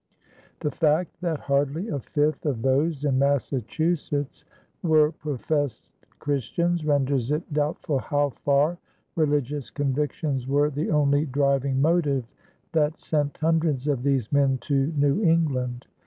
The fact that hardly a fifth of those in Massachusetts were professed Christians renders it doubtful how far religious convictions were the only driving motive that sent hundreds of these men to New England.